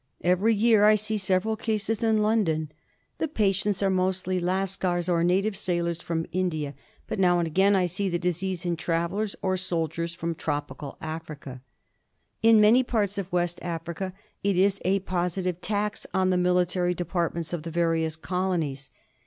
Every year I see several cases in Lxjndon. The patients are mostly lascars or native sailors from India, but now and again I see the disease in travellers or soldiers from tropical Africa. In many parts of West Africa it is a positive tax on the military departments of the various colonies.